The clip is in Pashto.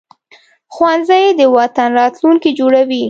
ښوونځی د وطن راتلونکی جوړوي